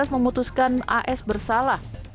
memutuskan as bersalah